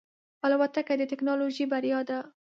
الوتکه د ټکنالوژۍ بریا ده.